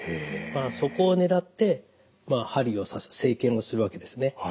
そこを狙って針を刺す生検をするわけですね。